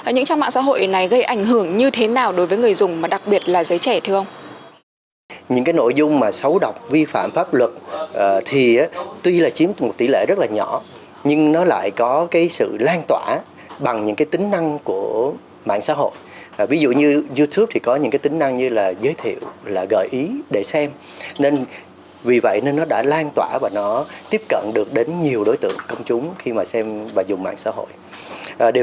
những trang mạng xã hội này gây ảnh hưởng như thế nào đối với người dùng đặc biệt là giới trẻ